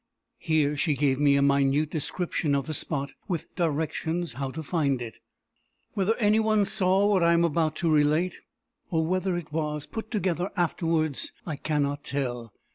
(Here she gave me a minute description of the spot, with directions how to find it.) "Whether any one saw what I am about to relate, or whether it was put together afterwards, I cannot tell.